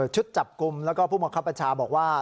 ชุดจับกลุ่มแล้วก็ผู้บังคับบัญชาบอกว่า